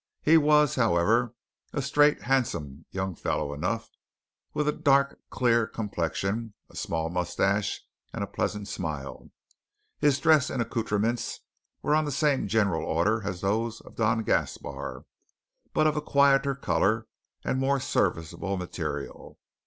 He was, however, a straight handsome young fellow enough, with a dark clear complexion, a small moustache, and a pleasant smile. His dress and accoutrements were on the same general order as those of Don Gaspar, but of quieter colour and more serviceable material.